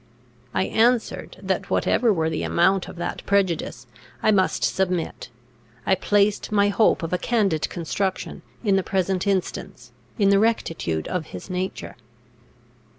I answered, that, whatever were the amount of that prejudice, I must submit. I placed my hope of a candid construction, in the present instance, in the rectitude of his nature.